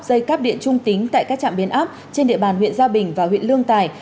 dây cắp điện trung tính tại các trạm biến áp trên địa bàn huyện gia bình và huyện lương tài